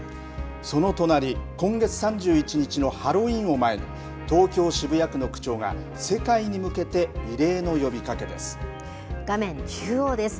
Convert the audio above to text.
その隣今月３１日のハロウィーンを前に東京・渋谷区の区長が世界に向けて画面中央です。